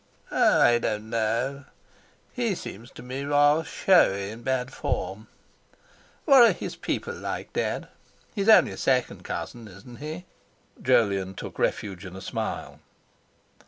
"Oh! I don't know. He seems to me rather showy and bad form. What are his people like, Dad? He's only a second cousin, isn't he?" Jolyon took refuge in a smile.